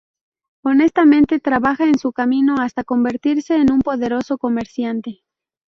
Honestamente trabaja en su camino hasta convertirse en un poderoso comerciante.